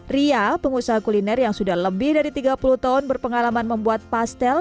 ria pengusaha kuliner yang sudah lebih dari tiga puluh tahun berpengalaman membuat pastel